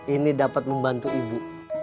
ini dapat membantu ibu